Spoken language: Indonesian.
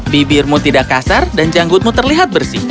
bibirmu tidak kasar dan janggutmu terlihat bersih